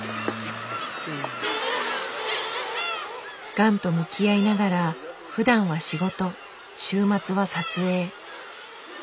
がんと向き合いながらふだんは仕事週末は撮影。